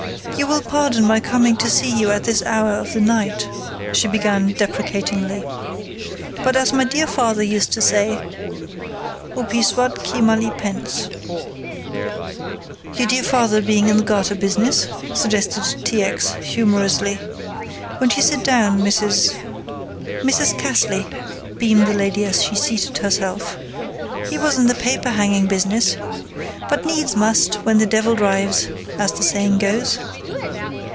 "You will pardon my coming to see you at this hour of the night," she began deprecatingly, "but as my dear father used to say, 'Hopi soit qui mal y pense.'" "Your dear father being in the garter business?" suggested T. X. humorously. "Won't you sit down, Mrs. " "Mrs. Cassley," beamed the lady as she seated herself. "He was in the paper hanging business. But needs must, when the devil drives, as the saying goes."